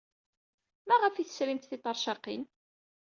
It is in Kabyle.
Maɣef ay tesrimt tiṭercaqin?